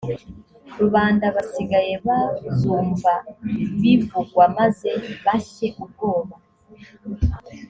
rubanda basigaye bazumva bivugwa, maze bashye ubwoba,